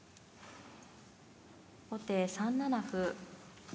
後手３七歩。